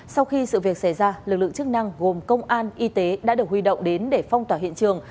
sau khi sự việc xảy ra lực lượng chức năng gồm công an y tế đã được huy động đến để phong tỏa hiện trường